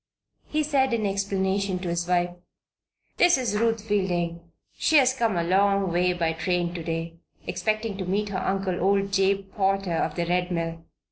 He said, in explanation, to his wife: "This is Ruth Fielding. She has come a long way by train to day, expecting to meet her uncle, old Jabe Potter of the Red Mill.